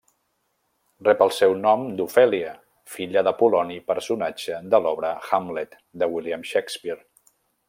Rep el seu nom d'Ofèlia, filla de Poloni personatge de l'obra Hamlet, de William Shakespeare.